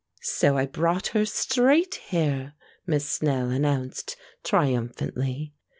"So I brought her straight here," Miss Snell announced, triumphantly.